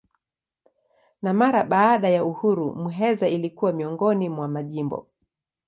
Na mara baada ya uhuru Muheza ilikuwa miongoni mwa majimbo.